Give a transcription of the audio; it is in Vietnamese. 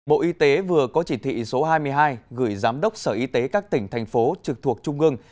bộ y tế vừa có chỉ thị số hai mươi hai gửi giám đốc sở y tế các tỉnh thành phố trực thuộc trung ương